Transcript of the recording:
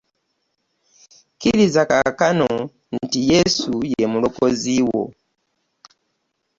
Kiriza kaakano nti Yesu ye mulokozi wo!